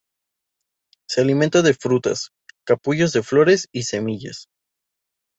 Se alimenta de frutas, capullos de flores, y semillas.